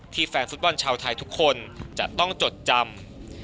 แฟนฟุตบอลชาวไทยทุกคนจะต้องจดจำ